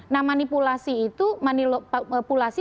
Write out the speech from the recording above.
nah manipulasi itu manipulasi